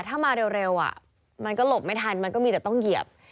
ถ้ามาเร็วมันก็หลบไม่ทันมันก็มีแต่ต้องเหยียบ